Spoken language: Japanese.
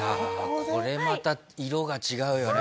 これまた色が違うよね。